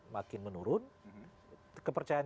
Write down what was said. makin menurun kepercayaan